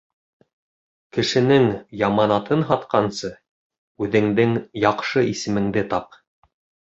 Кешенең яманатын һатҡансы, үҙеңдең яҡшы исемеңде тап.